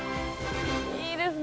いいですね。